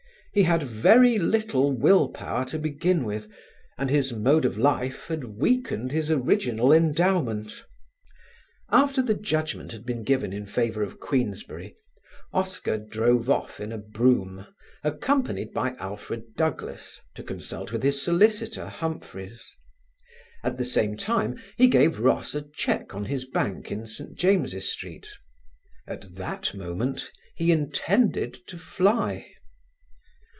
He had very little will power to begin with and his mode of life had weakened his original endowment. After the judgment had been given in favour of Queensberry, Oscar drove off in a brougham, accompanied by Alfred Douglas, to consult with his solicitor, Humphreys. At the same time he gave Ross a cheque on his bank in St. James's Street. At that moment he intended to fly.